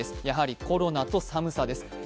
やはりコロナと寒さです。